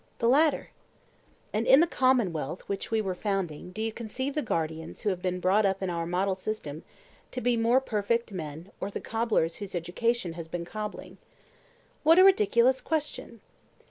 The latter. And in the commonwealth which we were founding do you conceive the guardians who have been brought up on our model system to be more perfect men, or the cobblers whose education has been cobbling? What a ridiculous question!